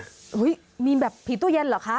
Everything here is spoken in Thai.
เฮ้ยมีแบบผีตู้เย็นเหรอคะ